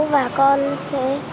và con sẽ